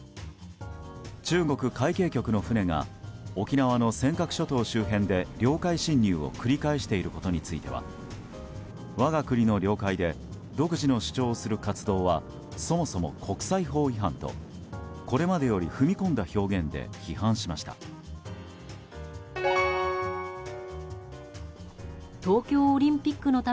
中国海警局の船が沖縄の尖閣諸島周辺で領海侵入を繰り返していることについては我が国の領海で独自の主張をする活動はそもそも国際法違反とこれまでより踏み込んだ表現で批判しました。